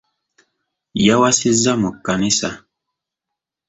Yawasiza mu Kkanisa.